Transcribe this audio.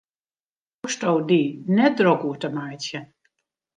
Dêr hoechsto dy net drok oer te meitsjen.